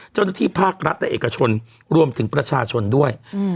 เจ้าหน้าที่ภาครัฐและเอกชนรวมถึงประชาชนด้วย